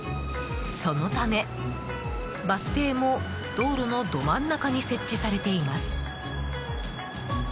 そのため、バス停も道路のど真ん中に設置されています。